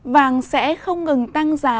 vàng sẽ không ngừng tăng giá